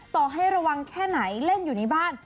ต่อให้ระวังแค่ไหนเล่นอยู่ในบ้าน